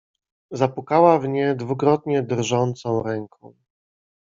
"Zapukała w nie dwukrotnie drżącą ręką."